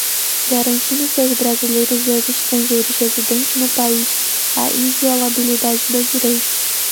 garantindo-se aos brasileiros e aos estrangeiros residentes no país a inviolabilidade do direito